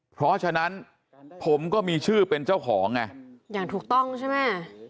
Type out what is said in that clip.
เพราะฉะนั้นผมก็มีชื่อเป็นเจ้าของไงอย่างถูกต้องใช่ไหม